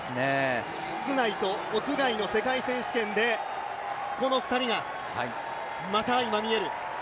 室内と屋外の世界選手権でこの２人がまた相まみえる。